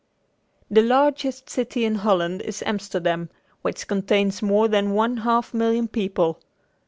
The largest city in Holland is Amsterdam, which contains more than one half million people.